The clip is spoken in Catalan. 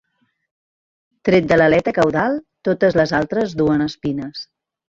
Tret de l'aleta caudal, totes les altres duen espines.